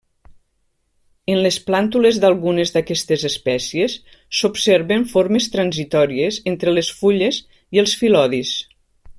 En les plàntules d'algunes d'aquestes espècies s'observen formes transitòries entre les fulles i els fil·lodis.